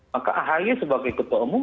maka ahy sebagai ketua umum